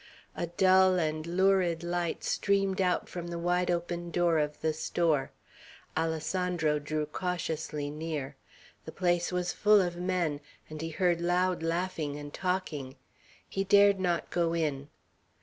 A dull and lurid light streamed out from the wide open door of the store. Alessandro drew cautiously near. The place was full of men, and he heard loud laughing and talking. He dared not go in.